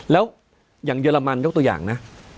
แล้วอย่างเยอรมันยกตัวอย่างนะ